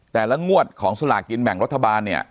แต่ละงวดของสลากเกียรติแบ่งรถบาลเนี่ย